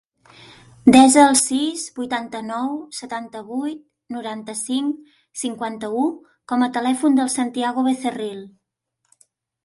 Desa el sis, vuitanta-nou, setanta-vuit, noranta-cinc, cinquanta-u com a telèfon del Santiago Becerril.